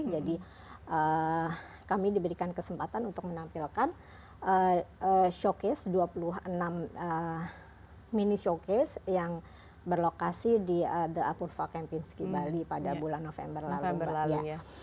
kami diberikan kesempatan untuk menampilkan showcase dua puluh enam mini showcase yang berlokasi di the apurva kempinski bali pada bulan november lalu mbak ya